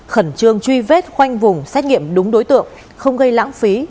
khẩn trương truy vết khoanh vùng xét nghiệm đúng đối tượng không gây lãng phí